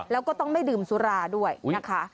แล้วก็ต้องไม่ดื่มสุราด้วยนะคะ